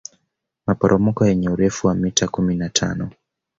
maporomoko yenye urefu wa mita kumi na tano